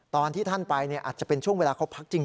ตอนที่ท่านไปอาจจะเป็นช่วงเวลาเขาพักจริง